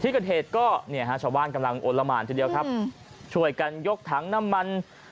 ที่เกิดเหตุก็เนี่ยฮะชาวบ้านกำลังโอละหมานทีเดียวครับช่วยกันยกถังน้ำมัน